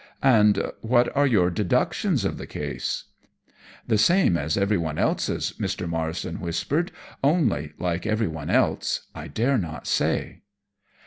"And what are your deductions of the case?" "The same as everyone else's," Mr. Marsden whispered, "only, like everyone else, I dare not say."